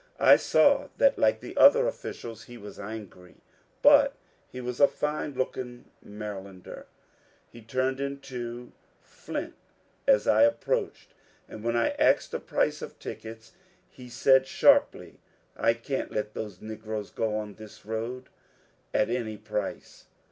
I saw that, like the other officials, he was angry, but he was a fine looking Marylander. He turned into fiint as I approached ; and when I asked the price of tickets, he said sharply, ^^ I can't let those negroes go on this road at any price."